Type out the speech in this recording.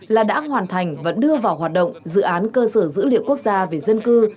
là đã hoàn thành và đưa vào hoạt động dự án cơ sở dữ liệu quốc gia về dân cư